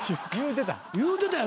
言うてた。